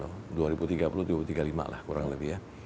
tahun dua ribu tiga puluh dua ribu tiga puluh lima lah kurang lebih ya